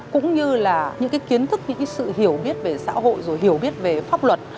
cũng như là những cái kiến thức những cái sự hiểu biết về xã hội rồi hiểu biết về pháp luật